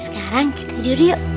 sekarang kita tidur yuk